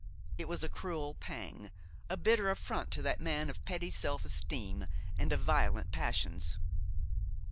It was a cruel pang, a bitter affront to that man of petty self esteem and of violent passions.